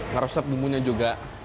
ngeresep bumbunya juga